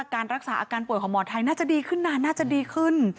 การรักษาอาการป่วยของหมอไทยน่าจะดีขึ้นนานน่าจะดีขึ้น